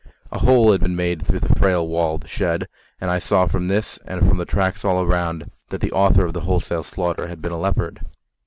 A hole had been made through the frail wall of the shed, and I saw from this and from the tracks all round that the author of the wholesale slaughter had been a leopard.